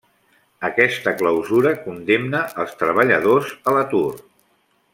Aquesta clausura condemna els treballadors a l'atur.